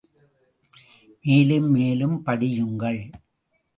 மேலும் மேலும் படியுங்கள்!